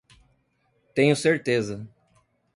Tenho certeza